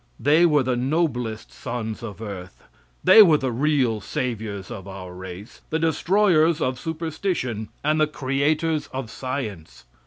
They were the noblest sons of earth. They were the real saviors of our race, the destroyers of superstition and the creators of science.